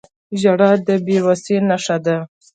• ژړا د بې وسۍ نښه ده.